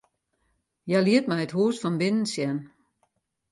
Hja liet my it hûs fan binnen sjen.